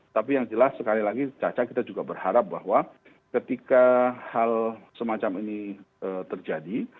tapi yang jelas sekali lagi caca kita juga berharap bahwa ketika hal semacam ini terjadi